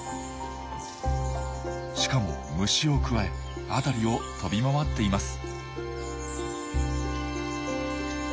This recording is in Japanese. しかも虫をくわえ辺りを飛び回っています。